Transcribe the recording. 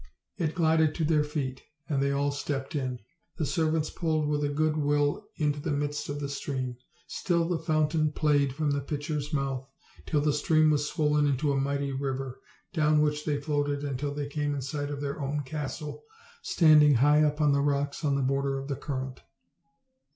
It glided to their feet, and they all stepped in. The serv ants pulled with a good will into the midst of the stream. Still the fountain played from the pitcher't, mouth until the stream was swollen into a mighty river, down which they floated until they came in sight of their own castle, standing high up on the rocks on the border of the current.